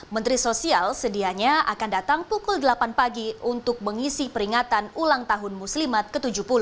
menteri sosial sedianya akan datang pukul delapan pagi untuk mengisi peringatan ulang tahun muslimat ke tujuh puluh